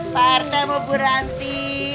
parete mau berhenti